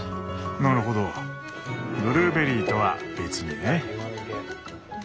なるほどブルーベリーとは別にね。